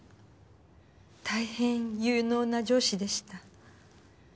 大変有能な上司でした。